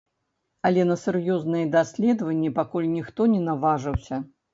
Але на сур'ёзныя даследаванні пакуль ніхто не наважыўся.